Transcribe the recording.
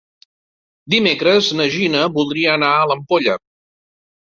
Dimecres na Gina voldria anar a l'Ampolla.